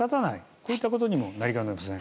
そういったことにもなりかねません。